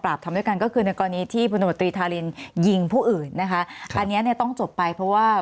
อันนี้ต้องจบไปเพราะว่า